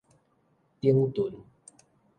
頂脣